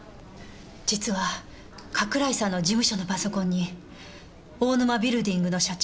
実は加倉井さんの事務所のパソコンに大沼ビルディングの社長